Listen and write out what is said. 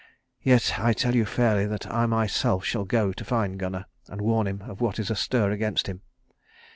Yet I tell you fairly that I myself shall go to find Gunnar and warn him of what is astir against him.